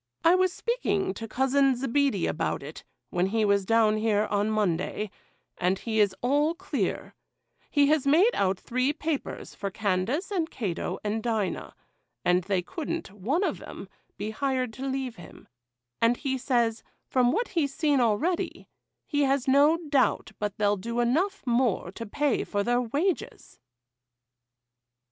I was speaking to Cousin Zebedee about it, when he was down here, on Monday, and he is all clear;—he has made out three papers for Candace and Cato and Dinah, and they couldn't, one of 'em, be hired to leave him; and he says, from what he's seen already, he has no doubt but they'll do enough more to pay for their wages.